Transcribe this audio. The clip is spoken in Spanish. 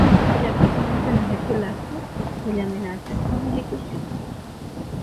Se le acusa de espionaje polaco, se le amenaza con la ejecución.